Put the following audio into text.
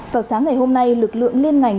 vào sáng ngày hôm nay lực lượng liên ngành